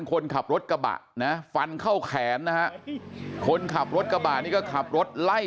คนขับรถกระบะนะฟันเข้าแขนนะฮะคนขับรถกระบะนี่ก็ขับรถไล่